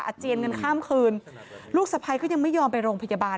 อาเจียนเงินคล้ามคืนลูกสภัยก็ยังไม่ยอมไปโรงพยาบาล